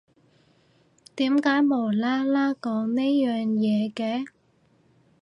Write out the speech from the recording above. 點解無啦啦講呢樣嘢嘅？